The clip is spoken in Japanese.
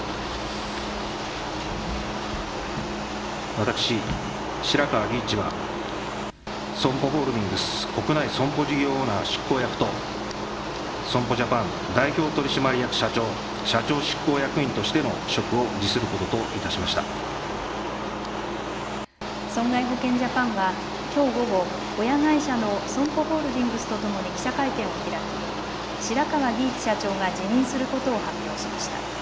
私、白川儀一は損保ホールディングス国内産小事業オーナー執行役と損保ジャパン代表取締役社長社長執行役員としての職を損害保険ジャパンはきょう午後親会社の損保ホールディングスとともに記者会見を開き白川儀一社長が辞任することを発表しました。